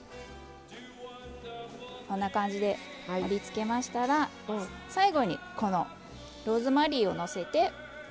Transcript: こんな感じで盛りつけましたら最後にこのローズマリーをのせて。